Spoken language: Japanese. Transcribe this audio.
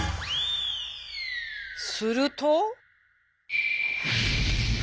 すると。